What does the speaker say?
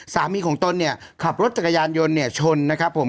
สามีของตนเนี่ยขับรถจักรยานยนต์เนี่ยชนนะครับผม